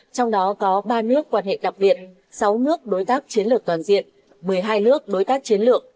trong đó có ba nước quan hệ đặc biệt sáu nước đối tác chiến lược toàn diện một mươi hai nước đối tác chiến lược